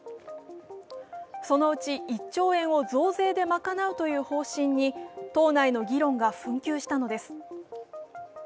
そのうち１兆円を増税で賄うという方針に党内の議論が紛糾したのです。